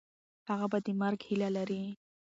هغه به د مرګ هیله لري.